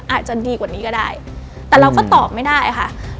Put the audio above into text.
อาจจะดีกว่านี้ก็ได้แต่เราก็ตอบไม่ได้ค่ะ